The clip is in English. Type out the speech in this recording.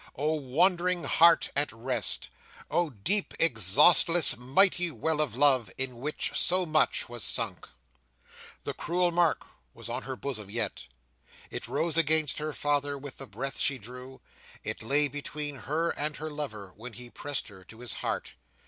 Oh wandering heart at rest! Oh deep, exhaustless, mighty well of love, in which so much was sunk! The cruel mark was on her bosom yet. It rose against her father with the breath she drew, it lay between her and her lover when he pressed her to his heart.